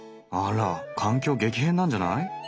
あら環境激変なんじゃない？